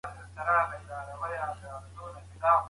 دوی به د غوښتنو د مغلوبولو لپاره په نېکو افکارو کي بوخت وو.